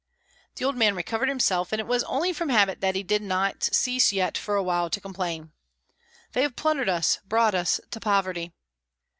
The old man recovered himself, and it was only from habit that he did not cease yet for a while to complain, "They have plundered us, brought us to poverty!"